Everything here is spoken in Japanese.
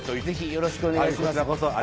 よろしくお願いします